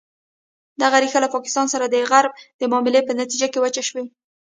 دغه ریښه له پاکستان سره د غرب د معاملې په نتیجه کې وچه شوې.